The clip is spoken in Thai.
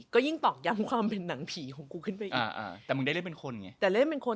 ก็ยิ่งตอกย้ำความเป็นหนังผีของกูขึ้นไปอีกแต่มึงได้เล่นเป็นคนไงแต่เล่นเป็นคน